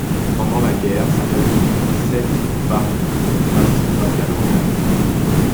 Pendant la guerre, sa famille fuit Sète pour Paris, où elle passe son baccalauréat.